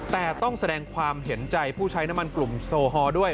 แต่ต้องแสดงความเห็นใจผู้ใช้น้ำมันกลุ่มโซฮอลด้วย